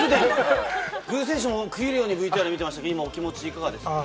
福井選手も食い入るようにＶＴＲ見てましたが、お気持ちいかがですか？